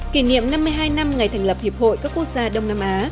kỷ niệm năm mươi hai năm ngày thành lập hiệp hội các quốc gia đông nam á